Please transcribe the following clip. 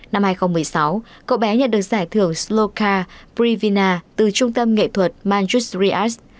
năm hai nghìn một mươi sáu cậu bé nhận được giải thưởng sloka privina từ trung tâm nghệ thuật manjushri arts